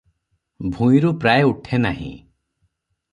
ଭୂଇଁରୁ ପ୍ରାୟ ଉଠେ ନାହିଁ ।